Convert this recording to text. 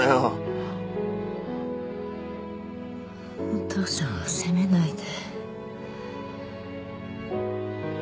お父さんを責めないで。